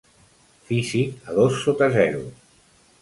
Físic a dos sota zero.